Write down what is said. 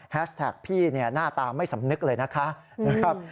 แฮชแท็กพี่หน้าตาไม่สำนึกเลยนะครับ